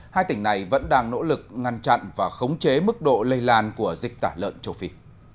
hai tỉnh này vẫn đang nỗ lực ngăn chặn và khống chế mức độ lây lan của dịch tả lợn châu phi